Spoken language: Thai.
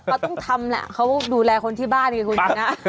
เราต้องทำล่ะเขาดูแลคนที่บ้านคุณนะ